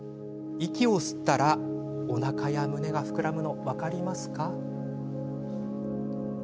息を吸ったら、おなかや胸が膨らむの分かりますか？